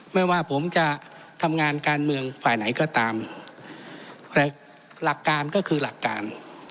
ไม่ว่าผมจะทำงานการเมืองฝ่ายไหนก็ตามแต่หลักการก็คือหลักการ